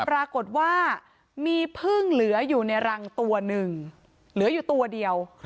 ปรากฏว่ามีพึ่งเหลืออยู่ในรังตัวหนึ่งเหลืออยู่ตัวเดียว